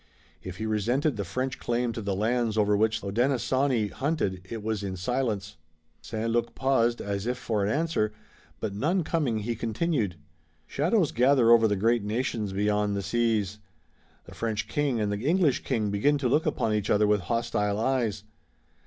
If he resented the French claim to the lands over which the Hodenosaunee hunted it was in silence. St. Luc paused, as if for an answer, but none coming he continued: "Shadows gather over the great nations beyond the seas. The French king and the English king begin to look upon each other with hostile eyes."